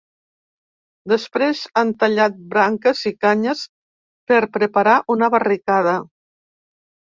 Després han tallat branques i canyes per preparar una barricada.